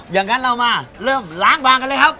อย่างนั้นเรามาเริ่มล้างบางกันเลยครับ